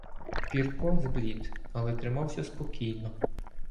Пірко зблід, але тримався спокійно.